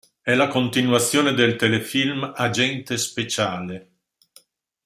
È la continuazione del telefilm "Agente speciale".